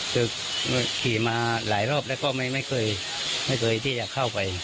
คือขี่มาหลายรอบแล้วก็ไม่เคยไม่เคยที่จะเข้าไป